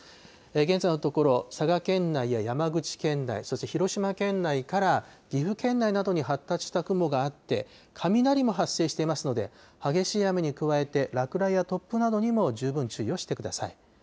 現在のところ、佐賀県内や山口県内、そして広島県内から岐阜県内などに発達した雲があって、雷も発生していますので、激しい雨に加えて、落雷や突風などにも、十分注意をしてください。